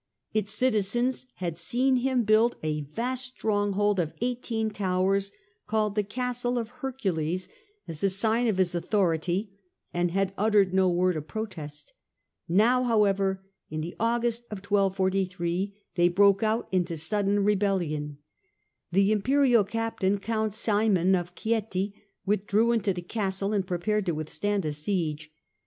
Its citizens had seen him build a vast stronghold of eighteen towers, called the Castle of Hercules, as a sign A NEW ENEMY 213 of his authority, and had uttered no word of protest. Now, however, in the August of 1243, they broke out into sudden rebellion. The Imperial captain, Count Simon of Chieti, withdrew into the Castle and prepared to withstand a siege.